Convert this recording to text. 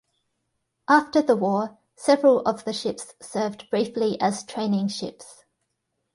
After the war, several of the ships served briefly as training ships.